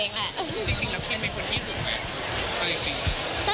จริงแล้วคิมไม่ควรขี้หึงไหม